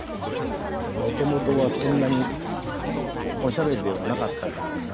もともとはそんなにおしゃべりではなかった自分が。